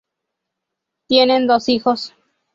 Tienen dos hijos.